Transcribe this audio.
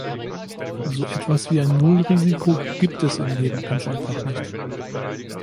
So etwas wie ein Nullrisiko gibt es im Leben ganz einfach nicht.